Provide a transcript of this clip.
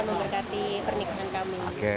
dan tuhan memberkati pernikahan kami